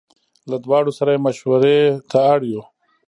له دواړو سره یې مشوړې ته اړ یو.